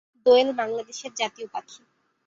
দোয়েল বাংলাদেশের জাতীয় পাখি।